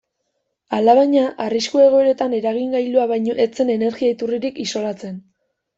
Alabaina, arrisku-egoeratan eragingailua baino ez zen energia-iturritik isolatzen.